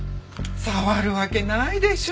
触るわけないでしょう。